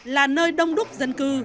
là nơi đông đúc dân cư